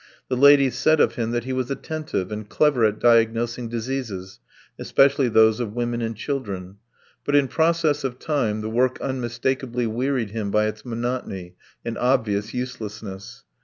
The ladies said of him that he was attentive and clever at diagnosing diseases, especially those of women and children. But in process of time the work unmistakably wearied him by its monotony and obvious uselessness.